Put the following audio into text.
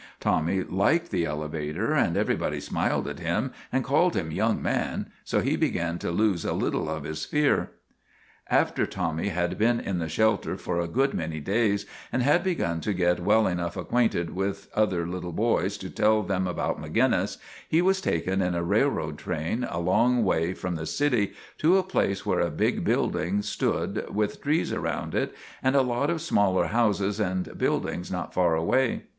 Tommy liked the elevator, and everybody smiled at him and 62 MAGINNIS called him " young man," so he began to lose a little of his fear. After Tommy had been in the shelter for a good many days, and had begun to get well enough ac quainted with other little boys to tell them about Maginnis, he was taken in a railroad train a long way from the city to a place where a big building stood with trees around it and a lot of smaller houses and buildings not far away.